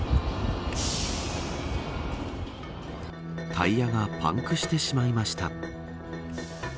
タイヤがパンクしてしまいました。